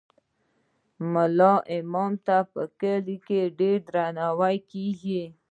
ملا امام ته په کلي کې ډیر درناوی کیږي.